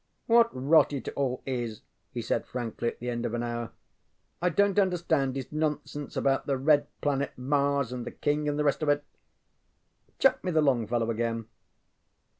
ŌĆ£What rot it all is! ŌĆØ he said, frankly, at the end of an hour. ŌĆ£I donŌĆÖt understand his nonsense about the Red Planet Mars and the King, and the rest of it. Chuck me the Longfellow again.